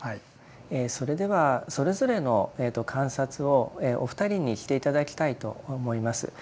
それではそれぞれの観察をお二人にして頂きたいと思います。